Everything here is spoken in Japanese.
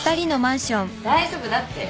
大丈夫だって。